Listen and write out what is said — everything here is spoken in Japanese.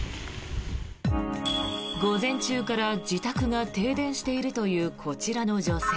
午前中から自宅が停電しているというこちらの女性。